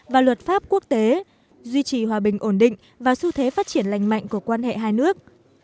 và luật pháp quốc tế duy trì hòa bình ổn định và xu thế phát triển lành mạnh của quan hệ hai nước